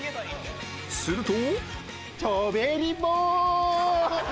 すると